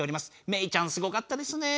メイちゃんすごかったですね！